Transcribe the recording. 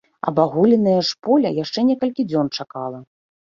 Абагуленае ж поле яшчэ некалькі дзён чакала.